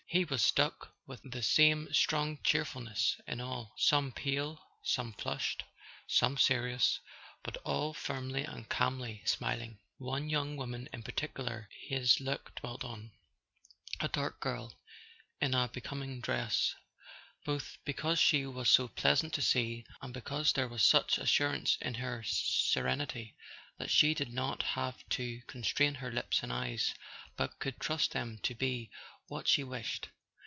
He was struck with [ 95 ] A SON AT THE FRONT the same strong cheerfulness in all: some pale, some flushed, some serious, but all firmly and calmly smil¬ ing. One young woman in particular his look dwelt on —a dark girl in a becoming dress—both because she was so pleasant to see, and because there was such assurance in her serenity that she did not have to con¬ strain her lips and eyes, but could trust them to be what she wished.